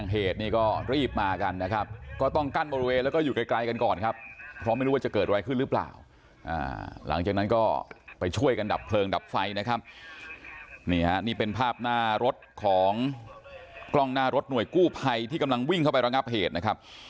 หลังจากนั้นก็ไปช่วยกันดับเพลงดับไฟนะครับนี่เป็นภาพหน้ารถของกล้องหน้ารถหน่วยกู้ภัยที่กำลังวิ่งเข้าไประงับเหตุนะครับ